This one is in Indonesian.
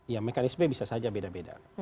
ya mekanisme bisa saja beda beda